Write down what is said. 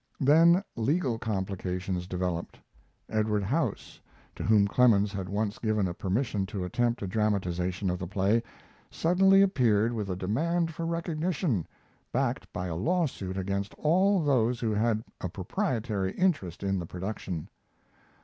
Then legal complications developed. Edward House, to whom Clemens had once given a permission to attempt a dramatization of the play, suddenly appeared with a demand for recognition, backed by a lawsuit against all those who had a proprietary interest in the production.